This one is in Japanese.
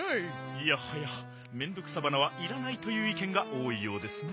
いやはやメンドクサバナはいらないといういけんがおおいようですね。